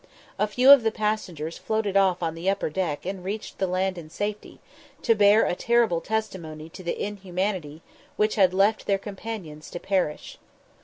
A few of the passengers floated off on the upper deck and reached the land in safety, to bear a terrible testimony to the inhumanity which had left their companions to perish.